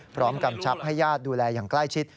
กำชับให้ญาติดูแลอย่างใกล้ชิด